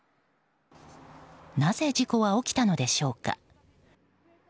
なぜ事故は起きたのでしょうか。